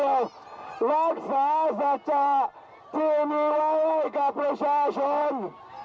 และสาธิสาขาจือมีรักษากับประชาชน